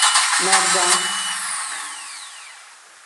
Nogan.